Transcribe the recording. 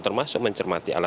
termasuk mencermati alatnya